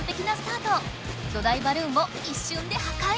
巨大バルーンを一瞬で破壊！